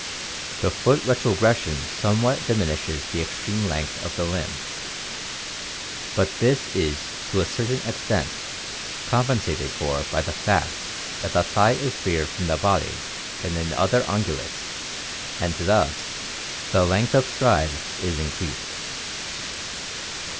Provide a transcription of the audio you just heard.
The foot retrogression somewhat diminishes the extreme length of limb, but this is to a certain extent compensated for by the fact that the thigh is freer from the body than in other ungulates and thus the length of stride is increased.